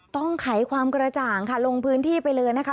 ไขความกระจ่างค่ะลงพื้นที่ไปเลยนะคะ